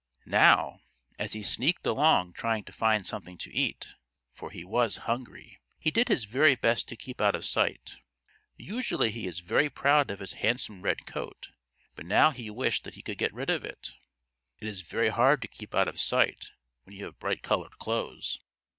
Now, as he sneaked along trying to find something to eat, for he was hungry, he did his very best to keep out of sight. Usually he is very proud of his handsome red coat, but now he wished that he could get rid of it. It is very hard to keep out of sight when you have bright colored clothes.